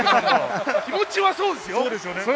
気持ちはそうですよ。